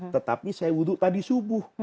tetapi saya wudhu tadi subuh